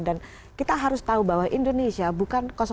dan kita harus tahu bahwa indonesia bukan